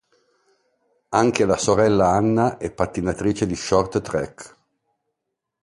Anche la sorella Anna è pattinatrice di short track.